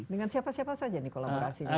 dengan siapa siapa saja nih kolaborasinya